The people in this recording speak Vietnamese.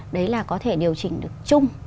đấy là có thể điều chỉnh được chung